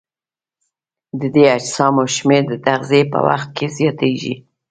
د دې اجسامو شمېر د تغذیې په وخت کې زیاتیږي.